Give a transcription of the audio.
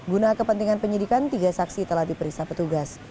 guna kepentingan penyidikan tiga saksi telah diperiksa petugas